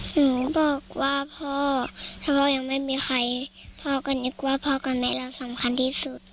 หนูบอกว่าพ่อถ้าพ่อยังไม่มีใครพ่อก็นึกว่าพ่อก็แนะนำสำคัญที่สุด